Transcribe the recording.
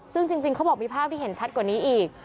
ซึ่งจริงเขาบอกมีภาพที่เห็นชัดกว่านี้อีก